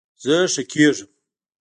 زه ښه کیږم